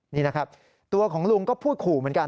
นี่นะครับตัวของลุงก็พูดขู่เหมือนกัน